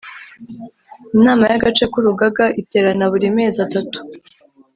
Inama y agace k Urugaga iterana buri mezi atatu